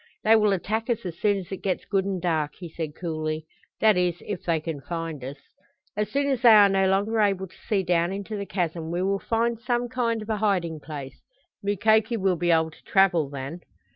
"They will attack us as soon as it gets good and dark," he said coolly. "That is, if they can find us. As soon as they are no longer able to see down into the chasm we will find some kind of a hiding place. Mukoki will be able to travel then."